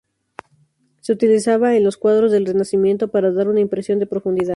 Se utilizaba en los cuadros del Renacimiento para dar una impresión de profundidad.